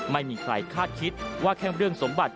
ไม่มีใครคาดคิดว่าแค่เรื่องสมบัติ